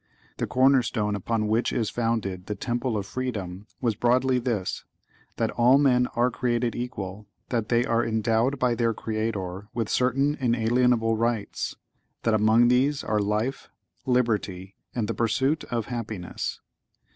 The corner stone upon which is founded the Temple of Freedom was broadly this—that all men are created equal; that they are endowed by their Creator with certain inalienable rights; that among these are life, liberty, and the pursuit of happiness.